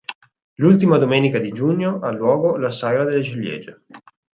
L'ultima domenica di giugno ha luogo la sagra delle ciliegie.